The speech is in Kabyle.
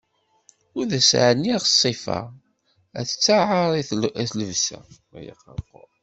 Ur d as-ɛniɣ ssifa, ad taɛer i lebsa.